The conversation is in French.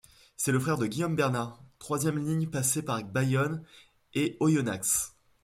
C'est le frère de Guillaume Bernad, troisième ligne passé par Bayonne et Oyonnax.